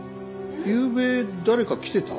ゆうべ誰か来てた？